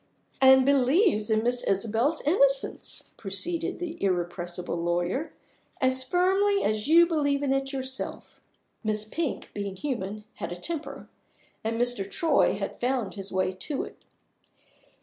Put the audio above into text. "And believes in Miss Isabel's innocence," proceeded the irrepressible lawyer, "as firmly as you believe in it yourself." Miss Pink (being human) had a temper; and Mr. Troy had found his way to it.